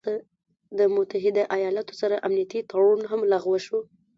د متحده ايالاتو سره مو امنيتي تړون هم لغوه شو